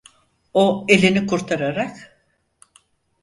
O elini kurtararak: